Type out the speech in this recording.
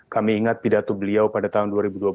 kami ingat pidato beliau pada tahun dua ribu dua belas